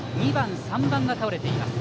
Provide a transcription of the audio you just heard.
２番、３番が倒れています。